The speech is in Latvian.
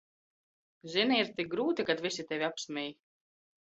Zini, ir tik grūti, kad visi tevi apsmej.